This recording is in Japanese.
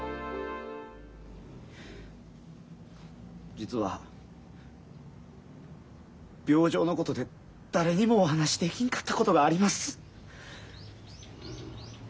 実は病状のことで誰にもお話しできんかったことがあります。